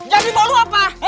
jadi mau lu apa